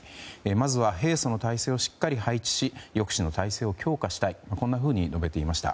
まず、平素の体制をしっかり配置し抑止の体制を強化したいというふうに述べていました。